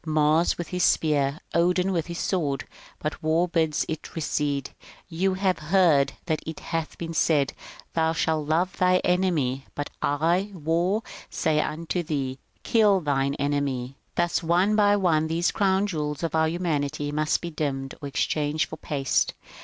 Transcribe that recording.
Mars with his spear, Odin with his sword. But war bids it recede :*' You have heard that it hath been said, * Thou shalt love thy enemy,' but I, War, say unto thee, * Kill thine enemy.' " Thus one by one these crown jewels of our humanity must be dimmed or exchanged for paste.